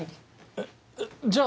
えっじゃあ。